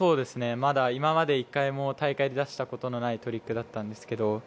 まだ今まで１回も大会で出したことのないトリックだったんですけど。